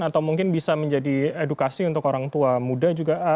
atau mungkin bisa menjadi edukasi untuk orang tua muda juga